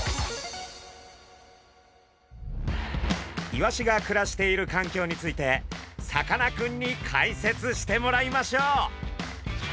イワシが暮らしているかんきょうについてさかなクンに解説してもらいましょう。